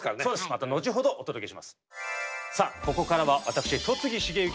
また後ほどお届けします。